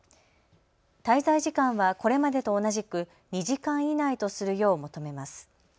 滞在時間はこれまでと同じく２時間以内とするよう求めます。